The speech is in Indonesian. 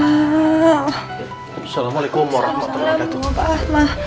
assalamualaikum warahmatullahi wabarakatuh